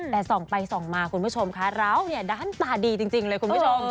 แต่ส่องไปส่องมาคุณผู้ชมคะเราเนี่ยด้านตาดีจริงเลยคุณผู้ชม